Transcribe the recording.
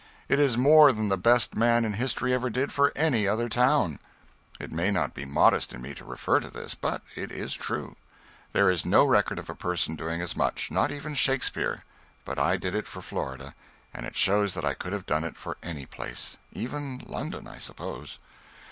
It is more than the best man in history ever did for any other town. It may not be modest in me to refer to this, but it is true. There is no record of a person doing as much not even Shakespeare. But I did it for Florida, and it shows that I could have done it for any place even London, I suppose.